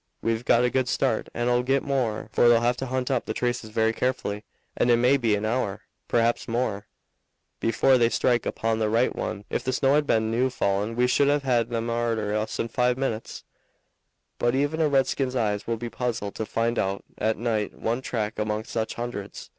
We've got a good start and 'll git more, for they'll have to hunt up the traces very carefully, and it may be an hour, perhaps more, before they strike upon the right one. Ef the snow had been new fallen we should have had 'em arter us in five minutes; but even a redskin's eye will be puzzled to find out at night one track among such hundreds."